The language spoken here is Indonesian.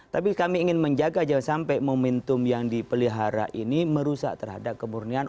tapi kami ingin menjaga jangan sampai momentum yang dipelihara ini merusak terhadap kemurnian